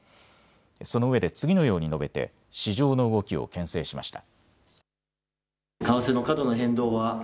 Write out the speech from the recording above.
そのうえで次のように述べて市場の動きをけん制しました。